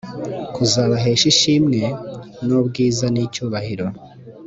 kuzabahesha ishimwe n ubwiza n icyubahiro